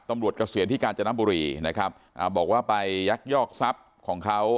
เกษียณที่กาญจนบุรีนะครับอ่าบอกว่าไปยักยอกทรัพย์ของเขา